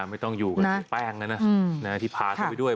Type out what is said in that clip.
ไม่ต้องอยู่กับแป้งนะนะที่พาเขาไปด้วย